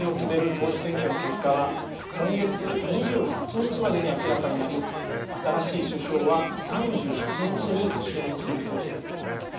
党首選挙の結果は今月２８日までに明らかになり新しい首相は３１日に就任する見通しです。